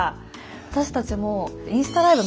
私たちもインスタライブ